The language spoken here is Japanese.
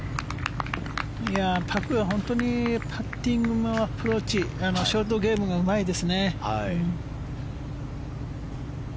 パクは本当にパッティング、アプローチショートゲームがうまいですね。